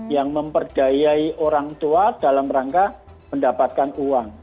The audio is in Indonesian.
yang memperdayai orang tua dalam rangka mendapatkan uang